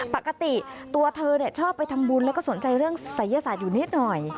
ปกติตัวเธอชอบไปทำบุญแล้วก็สนใจเรื่องศัยศาสตร์อยู่นิดหน่อย